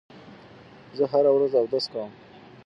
زه هره ورځ اودس کوم.